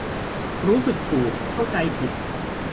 รู้สึกถูกเข้าใจผิด